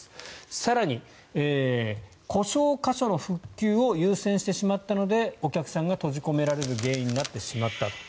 更に、故障箇所の復旧を優先してしまったのでお客さんが閉じ込められる原因になってしまった。